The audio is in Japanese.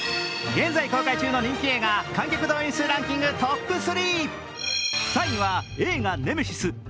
現在公開中の人気映画観客動員数ランキングトップ３。